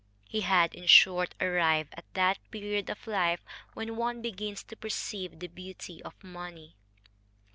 He had, in short, arrived at that period of life when one begins to perceive the beauty of money.